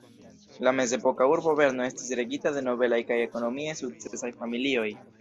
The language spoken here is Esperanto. La mezepoka urbo Berno estis regita de nobelaj kaj ekonomie sukcesaj familioj.